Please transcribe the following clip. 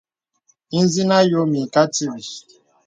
Ìzìnə àyɔ̄ mə ìkà tìbì.